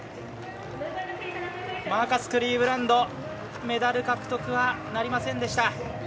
マーカス・クリーブランドメダル獲得はなりませんでした。